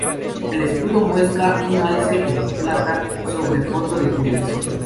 El escudo muestra una alce en plata sobre fondo de gules.